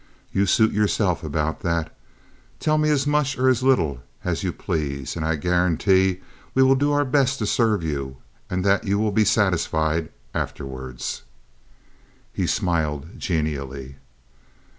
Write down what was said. You suit yourself about that. Tell me as much or as little as you please, and I'll guarantee that we will do our best to serve you, and that you will be satisfied afterward." He smiled genially.